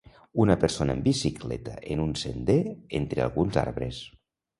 Una persona en bicicleta en un sender entre alguns arbres